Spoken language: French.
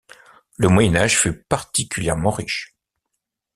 Le Moyen Âge fut particulièrement riche.